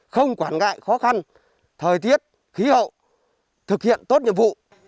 không quản ngại khó khăn thời tiết khí hậu thực hiện tốt nhiệm vụ